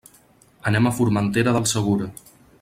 Anem a Formentera del Segura.